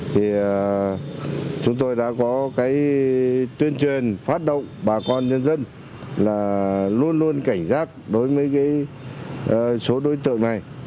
thì chúng tôi đã có cái tuyên truyền phát động bà con nhân dân là luôn luôn cảnh giác đối với số đối tượng này